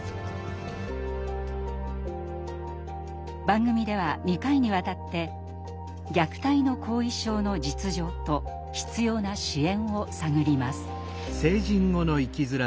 番組では２回にわたって虐待の“後遺症”の実情と必要な支援を探ります。